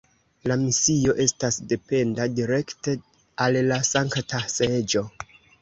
La misio estas dependa direkte al la Sankta Seĝo.